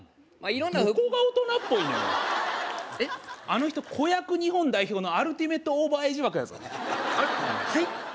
あの人子役日本代表のアルティメットオーバーエイジ枠やぞはい？